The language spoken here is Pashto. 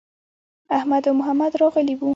احمد او محمد راغلي وو.